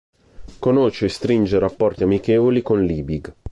Conosce e stringe rapporti amichevoli con Liebig.